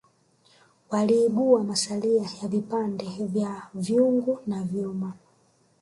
waliibua masalia ya vipande vya vyungu na vyuma